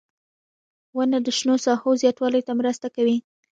• ونه د شنو ساحو زیاتوالي ته مرسته کوي.